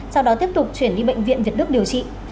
sau đó tiếp tục chuyển đi bệnh viện việt đức điều trị